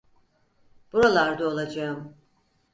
Buralarda olacağım.